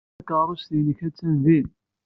Takeṛṛust-nnek attan din.